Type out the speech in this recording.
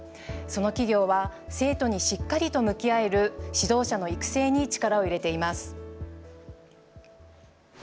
その企業は生徒にしっかりと向き合える指導者の育成に力を入れています。